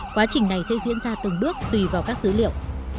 quá trình này sẽ diễn ra từng bước tùy vào các dữ liệu